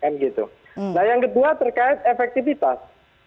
nah yang kedua terkait efektivitas